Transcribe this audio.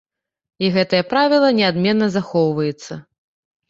І гэтае правіла неадменна захоўваецца.